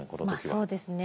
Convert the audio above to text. まあそうですね。